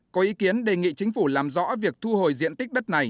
có ý kiến đề nghị chính phủ làm rõ việc thu hồi diện tích đất này